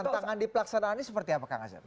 nah tantangan di pelaksanaannya seperti apa kang hazir